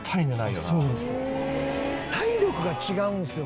体力が違うんですよ